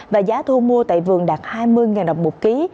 và giá thu mua tại vườn đạt hai mươi đồng một ký